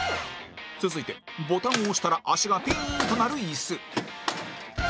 続いてボタンを押したら足がピーンとなるイス